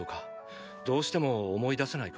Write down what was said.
どうしても思い出せないか？